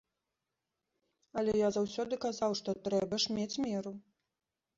Але я заўсёды казаў, што трэба ж мець меру.